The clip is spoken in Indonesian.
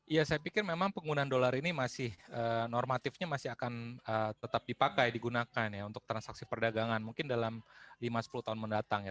ya saya pikir memang penggunaan dolar ini masih normatifnya masih akan tetap dipakai digunakan ya untuk transaksi perdagangan mungkin dalam lima sepuluh tahun mendatang ya